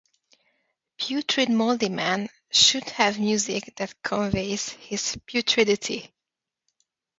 Putrid Moldyman should have music that conveys his putridity.